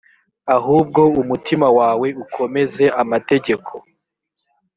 ahubwo umutima wawe ukomeze amategeko